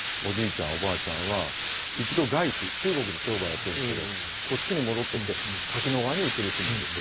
おばあちゃんは一度外地中国で商売をやってるんですけどこっちに戻ってきて滝野川に移り住むんですよ。